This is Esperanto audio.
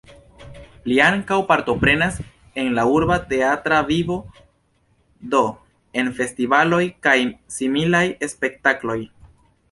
Li ankaŭ partoprenas en la urba teatra vivo, do en festivaloj kaj similaj spektakloj.